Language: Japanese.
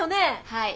はい。